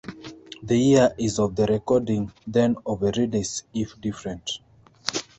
The year is of the recording, then of a release if different.